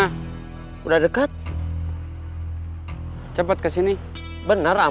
sepertinya ada seseorang disanjung ke wilayah